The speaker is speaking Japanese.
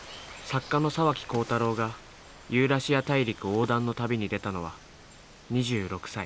作家の沢木耕太郎がユーラシア大陸横断の旅に出たのは２６歳。